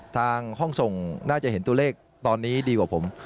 ทางห้องส่งน่าจะเห็นตัวเลขตอนนี้ดีกว่าผม